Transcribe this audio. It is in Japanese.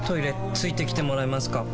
付いてきてもらえますか？